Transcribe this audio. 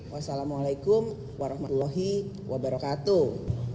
wassalamualaikum warahmatullahi wabarakatuh